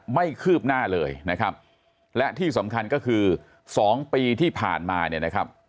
คืบหน้าเลยนะครับและที่สำคัญก็คือสองปีที่ผ่านมาเนี่ยนะครับ